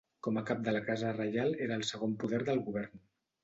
Com a cap de la casa reial era el segon poder del govern.